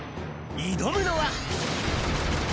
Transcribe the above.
挑むのは。